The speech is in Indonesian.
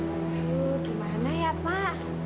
aduh gimana ya pak